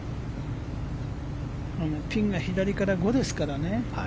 ピンが左から５ですからね。